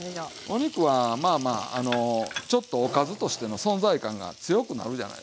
お肉はまあまあちょっとおかずとしての存在感が強くなるじゃないですか。